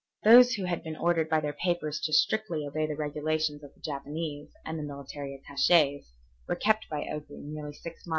Those who had been ordered by their papers to strictly obey the regulations of the Japanese, and the military attaches, were kept by Oku nearly six miles in the rear.